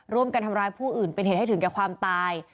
ร่วมกันทำร้ายผู้อื่นเป็นเหตุให้ถึงแก่ความตาย